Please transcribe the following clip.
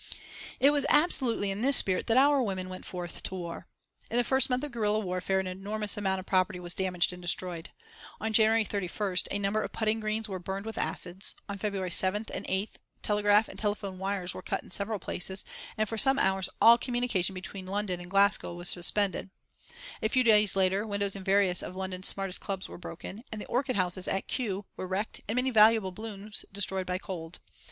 It was absolutely in this spirit that our women went forth to war. In the first month of guerilla warfare an enormous amount of property was damaged and destroyed. On January 31st a number of putting greens were burned with acids; on February 7th and 8th telegraph and telephone wires were cut in several places and for some hours all communication between London and Glasgow were suspended; a few days later windows in various of London's smartest clubs were broken, and the orchid houses at Kew were wrecked and many valuable blooms destroyed by cold.